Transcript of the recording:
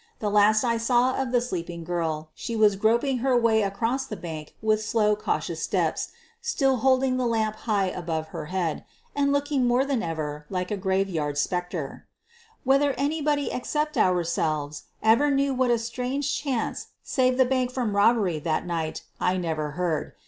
The last I saw of the sleep walking girl she was groping her way across the bank with slow cautious steps, still hold ing the lamp high above her head and looking more than ever like a graveyard specter. Whether anybody except ourselves ever knew what a strange chance saved the bank from robbery that night I never heard.